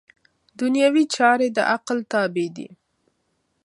دنیوي چارې د عقل تابع دي.